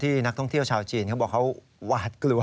นักท่องเที่ยวชาวจีนเขาบอกเขาหวาดกลัว